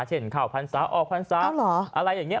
เช่นข่าวพรรษาออกพรรษาอะไรอย่างนี้